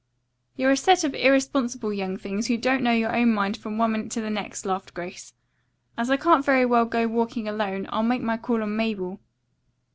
"You're a set of irresponsible young things who don't know your own mind from one minute to the next," laughed Grace. "As I can't very well go walking alone, I'll make my call on Mabel."